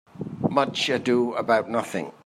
Much Ado About Nothing